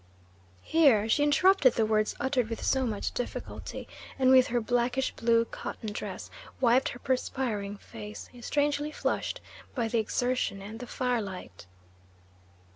Here she interrupted the words uttered with so much difficulty, and with her blackish blue cotton dress wiped her perspiring face, strangely flushed by the exertion and the firelight.